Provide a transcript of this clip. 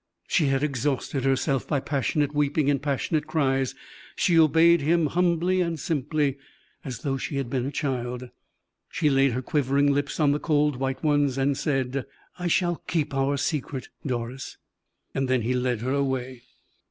She had exhausted herself by passionate weeping and passionate cries, she obeyed him, humbly and simply, as though she had been a child. She laid her quivering lips on the cold white ones, and said: "I shall keep our secret, Doris." Then he led her away.